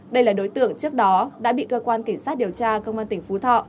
đây là đối tượng trước đó đã bị cơ quan cảnh sát điều tra công an tỉnh phú thọ